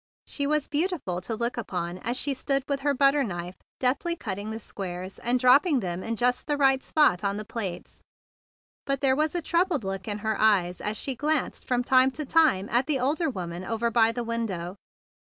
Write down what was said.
Mary Amber was beautiful to look upon as she stood with her butterknife deftly cutting the squares and drop¬ ping them in just the right spot on the plates. But there was a troubled look in her eyes as she glanced from time to time at the older woman over by the window.